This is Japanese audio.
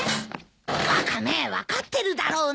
ワカメ分かってるだろうな！